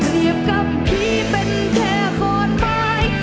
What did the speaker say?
เปรียบกับพี่เป็นแค่ขอนไม้